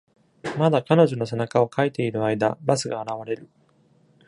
まだ彼女の背中を掻いている間、バスが現れる。